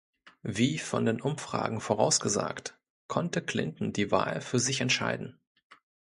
Wie von den Umfragen vorausgesagt, konnte Clinton die Wahl für sich entscheiden.